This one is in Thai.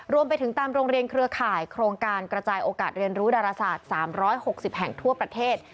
รวมไปถึงตามโรงเรียนเครือข่ายโครงการกระจายโอกาสเรียนรู้ดาราศาสตร์๓๖๐แห่งทั่วประเทศ